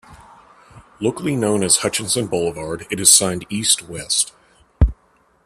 Locally known as Hutchison Boulevard, it is signed east-west.